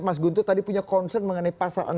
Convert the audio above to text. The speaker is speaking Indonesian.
mas guntur tadi punya concern mengenai pasal enam